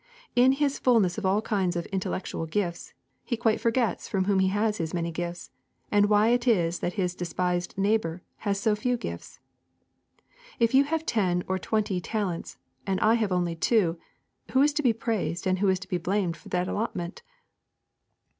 In his fulness of all kinds of intellectual gifts, he quite forgets from Whom he has his many gifts, and why it is that his despised neighbour has so few gifts. If you have ten or twenty talents, and I have only two, who is to be praised and who is to be blamed for that allotment?